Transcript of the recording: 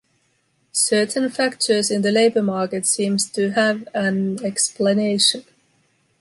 Certain factors in the labor market seem to have an explanation.